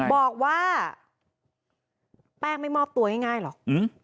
บอกว่าแป้งไม่มอบตัวง่ายหรอก